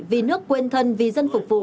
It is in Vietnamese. vì nước quên thân vì dân phục vụ